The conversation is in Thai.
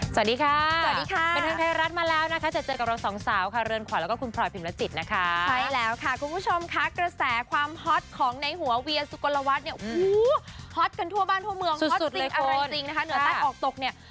สวัสดีค่ะสวัสดีค่ะออกตกเนี้ย